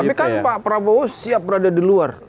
tapi kan pak prabowo siap berada di luar